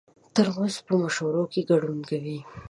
ترموز په مشورو کې ګډون کوي.